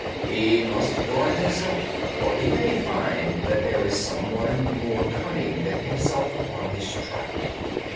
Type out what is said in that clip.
"He must guard himself, for he may find that there is someone more cunning than himself upon his track.